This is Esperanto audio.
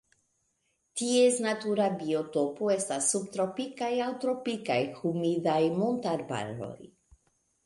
Ties natura biotopo estas subtropikaj aŭ tropikaj humidaj montarbaroj.